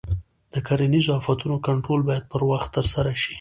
د کرنیزو آفتونو کنټرول باید پر وخت ترسره شي.